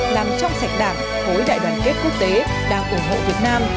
làm trong sạch đảng hối đại đoàn kết quốc tế đang ủng hộ việt nam